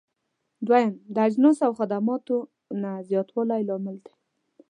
دويم: د اجناسو او خدماتو نه زیاتوالی لامل دی.